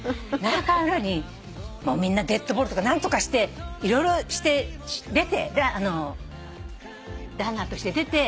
７回裏にみんなデッドボールとか何とかして色々して出てランナーとして出て。